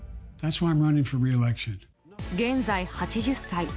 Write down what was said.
現在８０歳。